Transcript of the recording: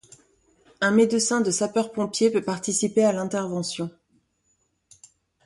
Un médecin de sapeurs-pompiers peut participer à l’intervention.